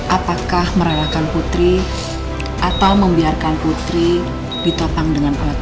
apakah meranakan putri atau membiarkan putri ditopang dengan anak